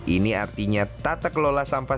ini artinya tata kelola sampah